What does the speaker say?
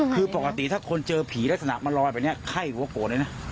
คือปกติถ้าคนเจอผีลักษณะมันลอยไปเนี่ยไข้หัวโกรธเลยนะ